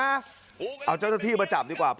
เรียนเรียนเรียนเรียน